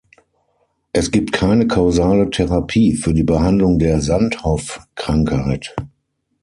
Es gibt keine kausale Therapie für die Behandlung der Sandhoff-Krankheit.